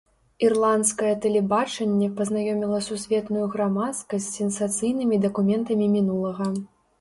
Ірландскае тэлебачанне пазнаёміла сусветную грамадскасць з сенсацыйнымі дакументамі мінулага.